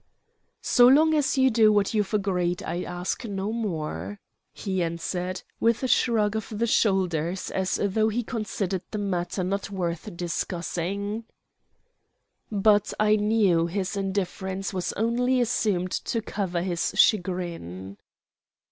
"So long as you do what you've agreed, I ask no more," he answered, with a shrug of the shoulders, as though he considered the matter not worth discussing. But I knew his indifference was only assumed to cover his chagrin.